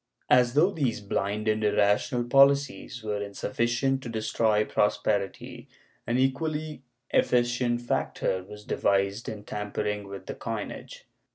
As though these blind and irrational policies were insufficient to destroy prosperity, an equally efficient factor was devised in tampering with the coinage.